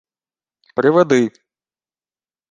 — Приведи.